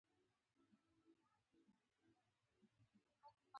بيا بېرته د هغې ښيښې جوړول يو ناشونی کار دی.